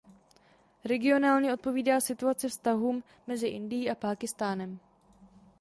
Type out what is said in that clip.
Regionálně odpovídá situace vztahům mezi Indií a Pákistánem.